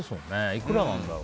いくらなんだろう。